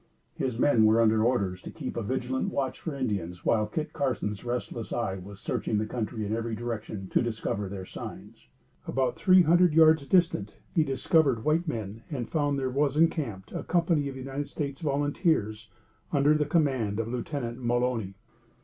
His men were under orders to keep a vigilant watch for Indians, while Kit Carson's restless eye was searching the country in every direction to discover their signs. About three hundred yards distant he discovered white men, and found there was encamped a company of United States volunteers, under the command of Lieutenant Mulony.